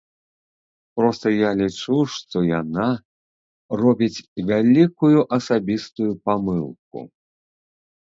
Проста я лічу, што яна робіць вялікую асабістую памылку.